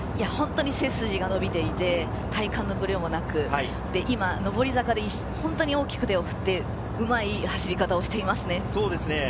本当に背筋が伸びていて体幹のブレもなく、今、上り坂で本当に大きく手を振って、うまい走り方をしていますね。